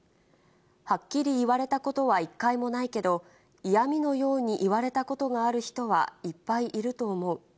はっきり言われたことは一回もないけど、嫌みのように言われたことがある人はいっぱいいると思う。